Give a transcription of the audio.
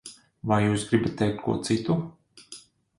Vai jūs gribat teikt ko citu?